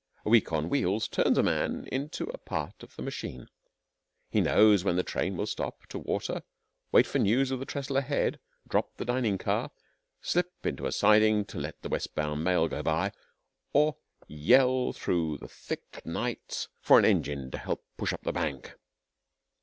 A week on wheels turns a man into a part of the machine. He knows when the train will stop to water, wait for news of the trestle ahead, drop the dining car, slip into a siding to let the West bound mail go by, or yell through the thick night for an engine to help push up the bank.